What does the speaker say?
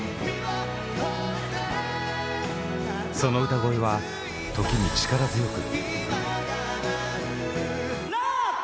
その歌声は時に力強く。